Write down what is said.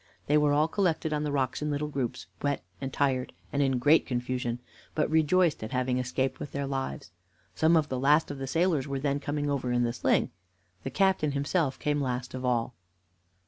They were collected on the rocks in little groups, wet and tired, and in great confusion, but rejoiced at having escaped with their lives. Some of the last of the sailors were then coming over in the sling. The captain himself came last of all.